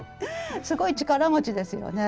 すごい力持ちですよね。